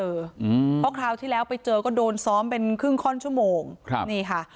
เพราะคราวที่แล้วไปเจอก็โดนซ้อมเป็นครึ่งข้อนชั่วโมงครับนี่ค่ะ